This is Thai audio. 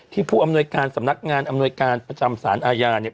ผู้อำนวยการสำนักงานอำนวยการประจำสารอาญาเนี่ย